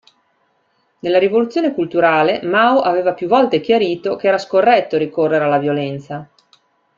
Nella Rivoluzione Culturale, Mao aveva più volte chiarito che era scorretto ricorrere alla violenza.